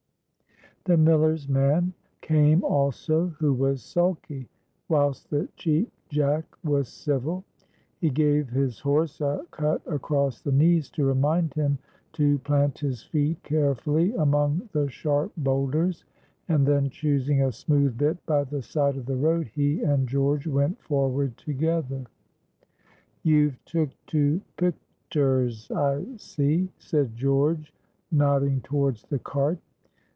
The miller's man came also, who was sulky, whilst the Cheap Jack was civil. He gave his horse a cut across the knees, to remind him to plant his feet carefully among the sharp boulders; and then, choosing a smooth bit by the side of the road, he and George went forward together. "You've took to picters, I see," said George, nodding towards the cart.